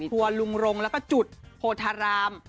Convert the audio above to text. ครัวลุงรงและจุดโทรหาราม